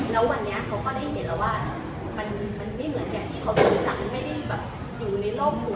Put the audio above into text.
แล้ววันนี้เขาก็ได้เห็นแล้วว่ามันไม่เหมือนอย่างที่เขาพูดกันไม่ได้แบบอยู่ในโลกสูง